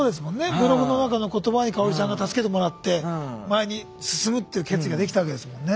ブログの中の言葉に香さんが助けてもらって前に進むっていう決意ができたわけですもんね。